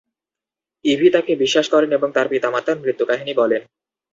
EV তাকে বিশ্বাস করেন এবং তার পিতা-মাতার মৃত্যু কাহিনী বলেন।